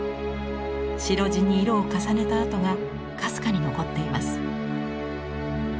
白地に色を重ねた跡がかすかに残っています。